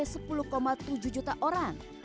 diabetes mencapai sepuluh tujuh juta orang